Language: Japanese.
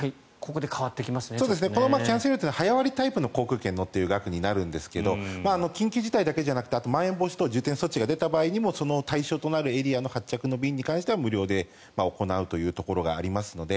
このキャンセル料というのは早割タイプの航空券のという額になるんですけど緊急事態だけじゃなくてまん延防止等重点措置が出た場合でもその対象となるエリアの発着の便に関しては無料で行うというところがありますので